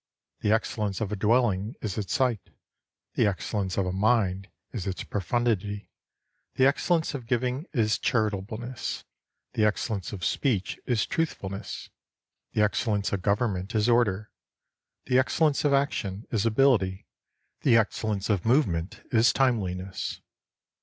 The excellence of a dwelling is its site ; the excellence of a mind is its profundity ; the ex cellence of giving is charitableness ; the excellence of speech is truthfulness ; the excellence of govern ment is order ; the excellence of action is ability ; the excellence of movement is timeliness.